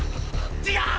違う！